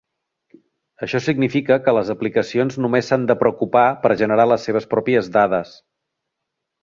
Això significa que les aplicacions només s'han de preocupar per generar les seves pròpies dades.